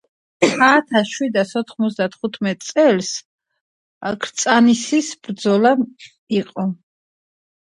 ადამიანები რომლებიც წიგნებს წერენ წიგნის ავტორი ეწოდება